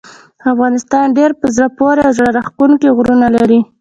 افغانستان ډیر په زړه پورې او زړه راښکونکي غرونه لري.